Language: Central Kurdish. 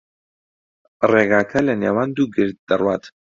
ڕێگاکە لەنێوان دوو گرد دەڕوات.